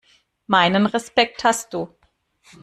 Meinen Respekt hast du.